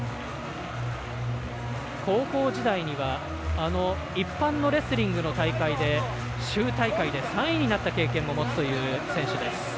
高校時代には一般のレスリングの大会で州大会で３位になった経験を持つ選手です。